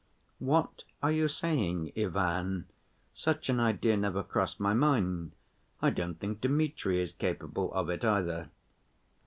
"What are you saying, Ivan? Such an idea never crossed my mind. I don't think Dmitri is capable of it, either."